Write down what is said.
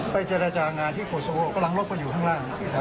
ไปเจรจางานที่โคโซโฮกำลังรอบไปอยู่ข้างล่างที่แถว